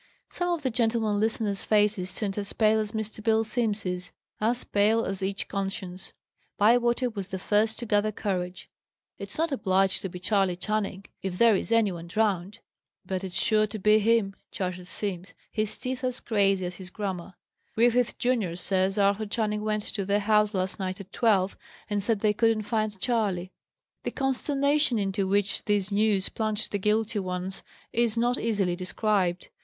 Some of the gentlemen listeners' faces turned as pale as Mr. Bill Simms's; as pale as each conscience. Bywater was the first to gather courage. "It's not obliged to be Charley Channing, if there is any one drowned." "But it's sure to be him," chattered Simms, his teeth as crazy as his grammar. "Griffin junior says Arthur Channing went to their house last night at twelve, and said they couldn't find Charley." The consternation into which this news plunged the guilty ones is not easily described.